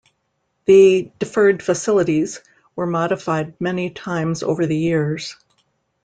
The "deferred facilities" were modified many times over the years.